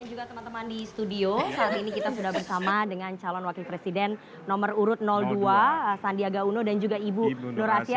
juga teman teman di studio saat ini kita sudah bersama dengan calon wakil presiden nomor urut dua sandiaga uno dan juga ibu nur asia